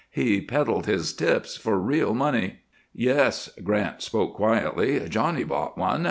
He peddled his tips for real money." "Yes!" Grant spoke quietly. "Johnny bought one.